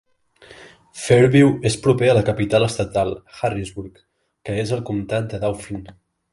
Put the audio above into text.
Fairview és proper a la capital estatal, Harrisburg, que és al comtat de Dauphin.